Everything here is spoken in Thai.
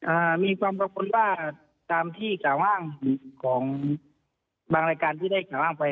อ่ามีความกังวลว่าตามที่กล่าวอ้างของบางรายการที่ได้กล่าวอ้างไป